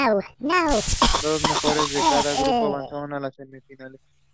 Los dos mejores de cada grupo avanzaron a las semifinales.